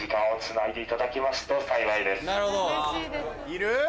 いる？